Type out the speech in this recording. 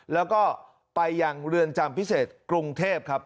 แล้วก็ไปยังเรือนจำพิเศษกรุงเทพครับ